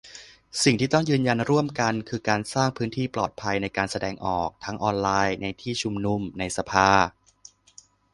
สิ่งที่ต้องยืนยันร่วมกันคือการสร้างพื้นที่ปลอดภัยในการแสดงออก ทั้งออนไลน์ ในที่ชุมนุม ในสภา